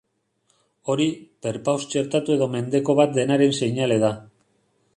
Hori, perpaus txertatu edo mendeko bat denaren seinale da.